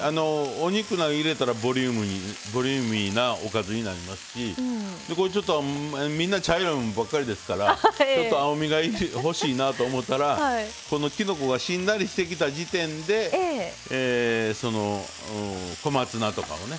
お肉など入れたらボリューミーなおかずになりますしこれちょっとみんな茶色いもんばっかりですからちょっと青みが欲しいなと思ったらきのこがしんなりしてきた時点で小松菜とかをね